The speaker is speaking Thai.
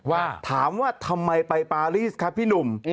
ว่าถามว่าทำไมไปปารีสครับพี่หนุ่ม